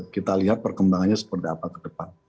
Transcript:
kita lihat perkembangannya seperti apa ke depan